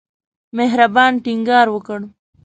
مهربان ټینګار وکړ.